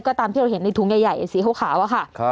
ก็ตามที่เราเห็นในถุงใหญ่สีขาวอะค่ะ